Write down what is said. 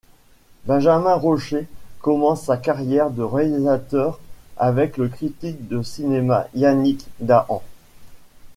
Benjamin Rocher commence sa carrière de réalisateur avec le critique de cinéma Yannick Dahan.